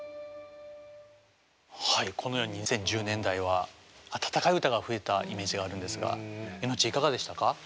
はいこのように２０１０年代は温かい歌が増えたイメージがあるんですがイノッチいかがでしたか？